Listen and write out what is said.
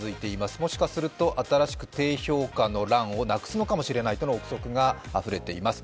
もしかすると新しく低評価の欄をなくすのかもしれないとの臆測があふれています。